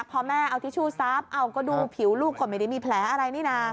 พอแม่เอาทิชชู่ซับเอาก็ดูผิวลูกก็ไม่ได้มีแผลอะไรนี่นะ